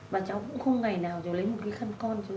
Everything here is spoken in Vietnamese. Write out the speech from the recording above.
và cháu cũng không ngày nào cháu lấy một cái khăn con